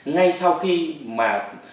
ngay sau khi mà